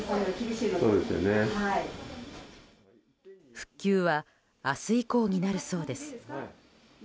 復旧は明日以降になるそうです。